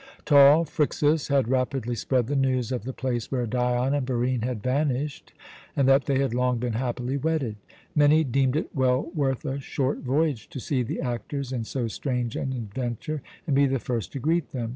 "Tall Phryxus" had rapidly spread the news of the place where Dion and Barine had vanished, and that they had long been happily wedded. Many deemed it well worth a short voyage to see the actors in so strange an adventure and be the first to greet them.